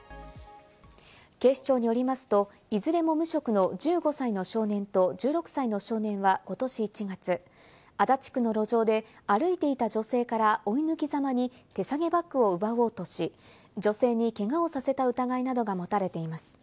警視庁によりますと、いずれも無職の１５歳の少年と１６歳の少年はことし１月、足立区の路上で歩いていた女性から追い抜きざまに手提げバッグを奪おうとし、女性にけがをさせた疑いなどが持たれています。